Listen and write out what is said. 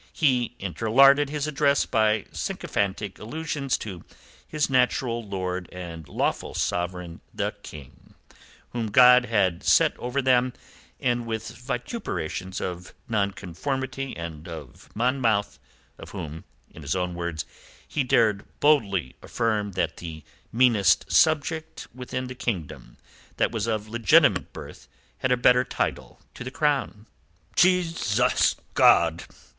He interlarded his address by sycophantic allusions to his natural lord and lawful sovereign, the King, whom God had set over them, and with vituperations of Nonconformity and of Monmouth, of whom in his own words he dared boldly affirm that the meanest subject within the kingdom that was of legitimate birth had a better title to the crown. "Jesus God!